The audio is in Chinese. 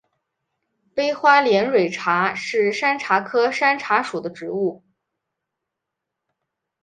微花连蕊茶是山茶科山茶属的植物。